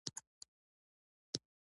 امیر عبدالرحمن خان د ټول افغانستان پاچا شو.